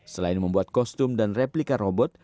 selain membuat kostum dan replika robot